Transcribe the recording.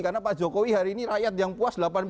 karena pak jokowi hari ini rakyat yang puas